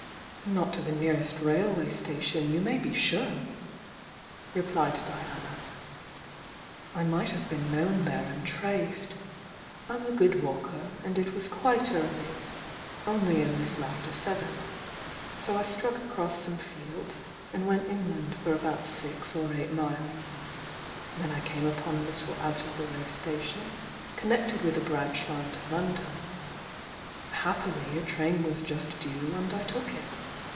"Not to the nearest railway station, you may be sure!" replied Diana. "I might have been known there and traced. I'm a good walker, and it was quite early — only a little after seven, — so I struck across some fields and went inland for about six or eight miles. Then I came upon a little out of the way station connected with a branch line to Lon don — happily a train was just due, and I took it.